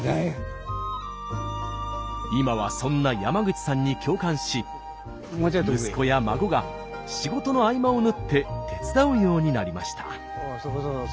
今はそんな山口さんに共感し息子や孫が仕事の合間を縫って手伝うようになりました。